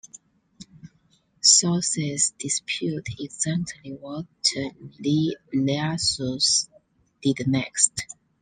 Sources dispute exactly what Lij Iyasu's did next.